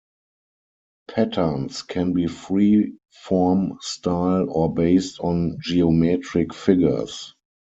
Patterns can be free form style or based on geometric figures.